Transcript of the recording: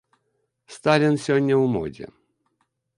Сталін сёння ў модзе.